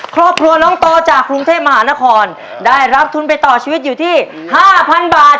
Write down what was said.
ครอบครัวน้องโตจากกรุงเทพมหานครได้รับทุนไปต่อชีวิตอยู่ที่๕๐๐บาท